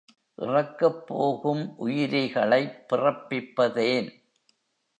இறக்கப் போகும் உயிரிகளைப் பிறப்பிப்பதேன்?